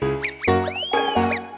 gigi permisi dulu ya mas